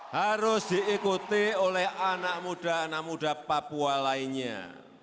harus diikuti oleh anak muda anak muda papua lainnya